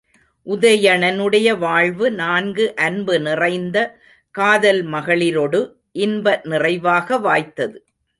உதயணனுடைய வாழ்வு, நான்கு அன்பு நிறைந்த காதல் மகளிரொடு இன்ப நிறைவாக வாய்த்தது.